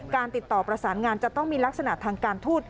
ติดต่อประสานงานจะต้องมีลักษณะทางการทูต